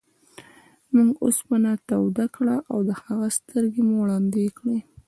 موږ اوسپنه توده کړه او د هغه سترګې مو ړندې کړې.